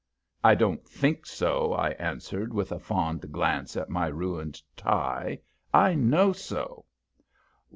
"I don't think so," I answered, with a fond glance at my ruined tie. "I know so."